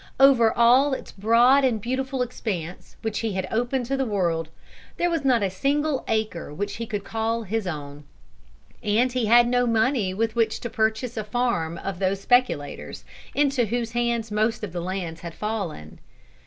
Over all its broad and beautiful expanse which he had opened to the world, there was not a single acre which he could call his own. And he had no money with which to purchase a farm of those speculators, into whose hands most of the lands had fallen.